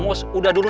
gak ada apa apa